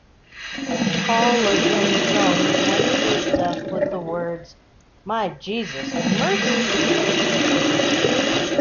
Paul Lejeune-Jung went to his death with the words My Jesus, mercy.